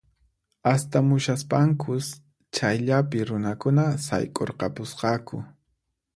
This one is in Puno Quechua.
Astamushaspankus chayllapi runakuna sayk'urqapusqaku